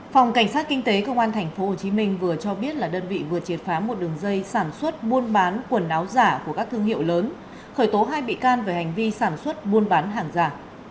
phòng cảnh sát kinh tế công an tp hcm vừa cho biết là đơn vị vừa triệt phá một đường dây sản xuất buôn bán quần áo giả của các thương hiệu lớn khởi tố hai bị can về hành vi sản xuất buôn bán hàng giả